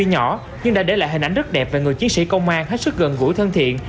tuy nhỏ nhưng đã để lại hình ảnh rất đẹp về người chiến sĩ công an hết sức gần gũi thân thiện